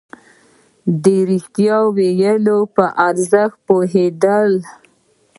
د رښتيا ويلو په ارزښت پوهېدل.